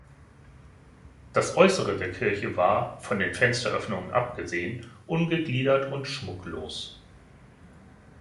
Das Äussere der Kirche war, von den Fensteröffnungen abgesehen, ungegliedert und schmucklos.